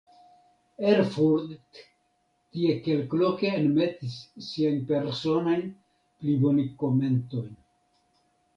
Erfurdt tie kelkloke enmetis siajn personajn plibonigkomentojn.